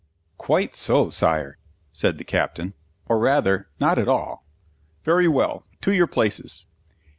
_" "Quite so, Sire," said the Captain, "or rather, not at all." "Very well. To your places."